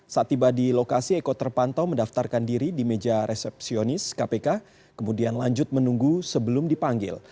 saat tiba di lokasi eko terpantau mendaftarkan diri di meja resepsionis kpk kemudian lanjut menunggu sebelum dipanggil